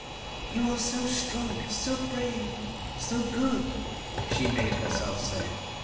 "You are so strong, so brave, so good," she made herself say.